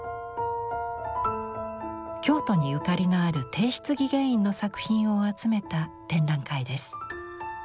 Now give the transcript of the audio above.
京都にゆかりのある帝室技芸員の作品を集めた展覧会です。